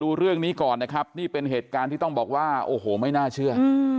ดูเรื่องนี้ก่อนนะครับนี่เป็นเหตุการณ์ที่ต้องบอกว่าโอ้โหไม่น่าเชื่อ